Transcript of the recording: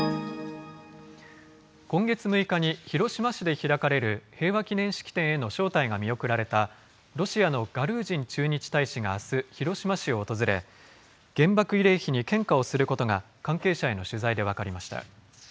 今月６日に広島市で開かれる平和記念式典への招待が見送られた、ロシアのガルージン駐日大使があす、広島市を訪れ、原爆慰霊碑に献花をすることが、関係者への取材で分かりました。